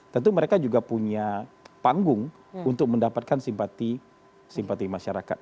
tentu mereka juga punya panggung untuk mendapatkan simpati masyarakat